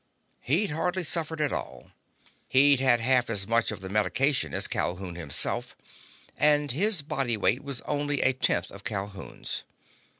He'd hardly suffered at all. He'd had half as much of the medication as Calhoun himself, and his body weight was only a tenth of Calhoun's.